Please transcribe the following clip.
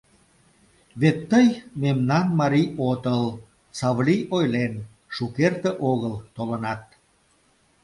Вет тый мемнан марий отыл; Савлий ойлен: шукерте огыл толынат...